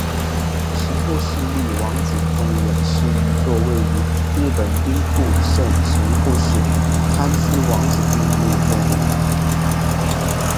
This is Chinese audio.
神户市立王子动物园是一座位于日本兵库县神户市滩区王子公园内的动物园。